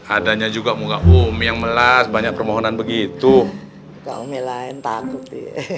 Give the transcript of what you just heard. adanya juga muka um yang melas banyak permohonan begitu kau melayan takut